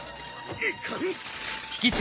いかん！